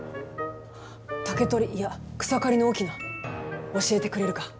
竹取いや草刈の翁教えてくれるか？